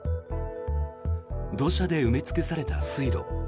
土砂で埋め尽くされた水路。